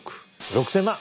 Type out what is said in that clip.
６，０００万？